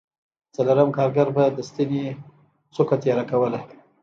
څلورم کارګر به د ستنې څوکه تېره کوله